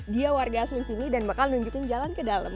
dia warga asing sini dan bakal nunjukin jalan ke dalam